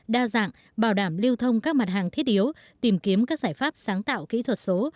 đa dạng bảo đảm lưu thông các mặt hàng thiết yếu tìm kiếm các giải pháp sáng tạo kỹ thuật số